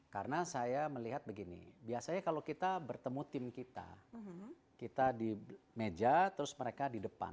karena saya melihat begini biasanya kalau kita bertemu tim kita kita di meja terus mereka di depan